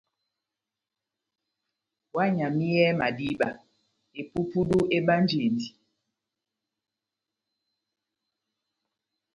Ohányamiyɛhɛ madíba, epupudu ebánjindi.